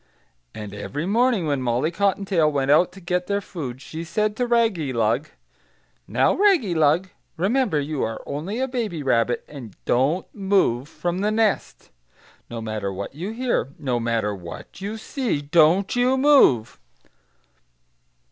And every morning, when Molly Cottontail went out to get their food, she said to Raggylug, 'Now, Raggylug, remember you are only a baby rabbit, and don't move from the nest. No matter what you hear, no matter what you see, don't you move!'"